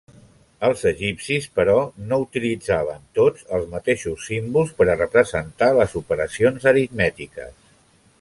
Els egipcis, però, no utilitzaven tots els mateixos símbols per a representar les operacions aritmètiques.